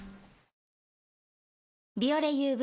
「ビオレＵＶ」